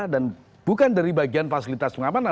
dan bukan dari bagian fasilitas pengamanan